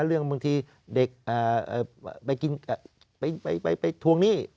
เรื่องบางทีเด็กไปทวงหนี้